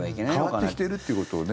変わってきているということをね。